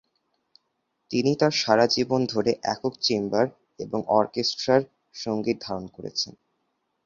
তিনি তার সারা জীবন ধরে একক, চেম্বার, এবং অর্কেস্ট্রার সঙ্গীত ধারণ করেছেন।